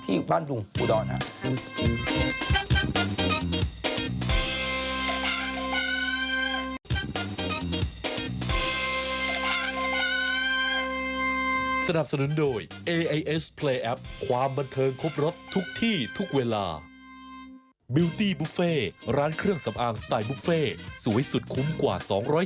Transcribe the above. เดี๋ยวช่วงหน้ากลับมาเล่าให้ฟังที่บ้านลุงภูดอลฮะ